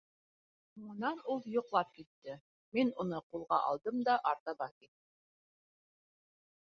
Һуңынан ул йоҡлап китте, мин кны ҡулға алдым да артабан киттем.